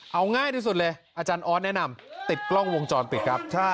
เอาง่ายที่สุดเลยอาจารย์ออสแนะนำติดกล้องวงจรปิดครับ